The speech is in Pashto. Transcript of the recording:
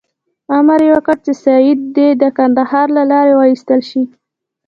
امر یې وکړ چې سید دې د کندهار له لارې وایستل شي.